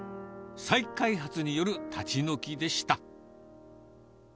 再開発による立ち退きでした。